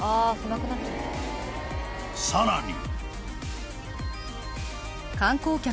［さらに］